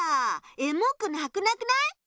エモくなくなくない？